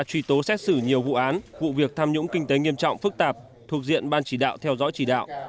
truy tố xét xử nhiều vụ án vụ việc tham nhũng kinh tế nghiêm trọng phức tạp thuộc diện ban chỉ đạo theo dõi chỉ đạo